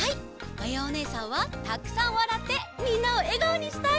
まやおねえさんはたくさんわらってみんなをえがおにしたい！